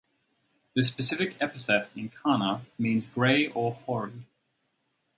The specific epithet ("incana") means "grey or hoary".